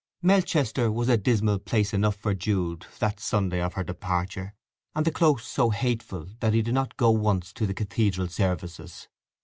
Melchester was a dismal place enough for Jude that Sunday of her departure, and the Close so hateful that he did not go once to the cathedral services.